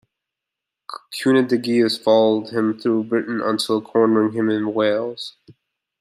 Cunedagius followed him throughout Britain until cornering him in Wales.